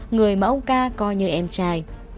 người mà ông ca coi như em trai